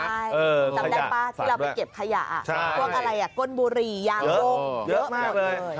ใช่จำได้ป่ะที่เราไปเก็บขยะพวกอะไรก้นบุหรี่ยางลงเยอะหมดเลย